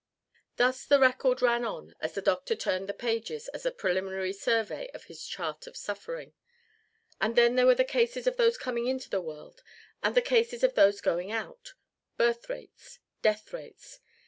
Thus the record ran on as the doctor turned the pages in a preliminary survey of his chart of suffering. And then there were the cases of those coming into the world and the cases of those going out: birth rates, death rates.